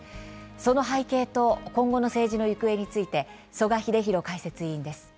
その背景と、今後の政治の行方について、曽我英弘解説委員です。